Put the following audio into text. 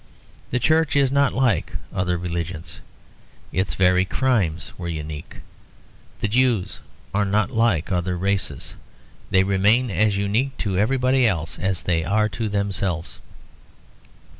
The Church is not like other religions; its very crimes were unique. The Jews are not like other races; they remain as unique to everybody else as they are to themselves.